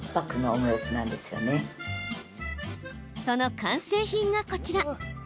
その完成品が、こちら。